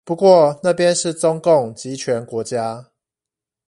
不過那邊是中共極權國家